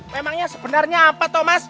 memangnya sebenarnya apa thomas